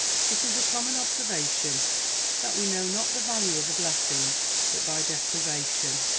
It is a common observation, that we know not the value of a blessing but by deprivation.